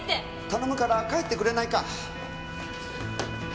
頼むから帰ってくれないか。